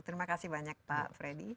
terima kasih banyak pak freddy